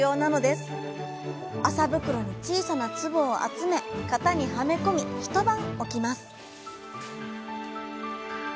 麻袋に小さな粒を集め型にはめ込み一晩置きます